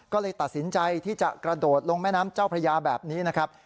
ก็เลยตัดสินใจที่จะกระโดดลงแม่น้ำเจ้าพระยาแบบนี้นะครับ